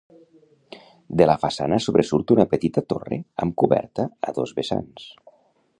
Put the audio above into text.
De la façana sobresurt una petita torre amb coberta a dos vessants.